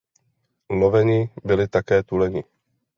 Loveni byli také tuleni.